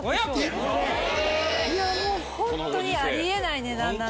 いやもうホントにあり得ない値段なんです。